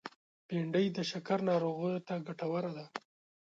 بېنډۍ د شکر ناروغو ته ګټوره ده